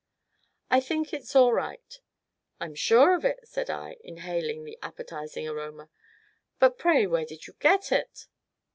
"I think it's all right!" "I'm sure of it," said I, inhaling the appetizing aroma "but, pray, where did you get it?"